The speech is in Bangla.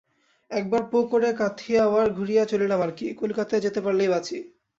একবার পোঁ করে কাথিয়াওয়াড় ঘুড়িয়া চলিলাম আর কি! কলিকাতায় যেতে পারিলেই বাঁচি।